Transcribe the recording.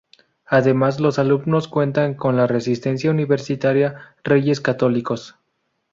Además, los alumnos cuentan con la residencia universitaria Reyes Católicos.